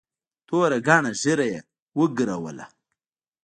توره گڼه ږيره يې وګروله.